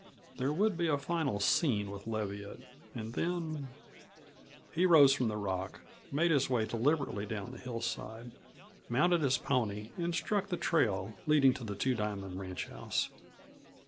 There would be a final scene with Leviatt, and then He rose from the rock, made his way deliberately down the hillside, mounted his pony, and struck the trail leading to the Two Diamond ranchhouse.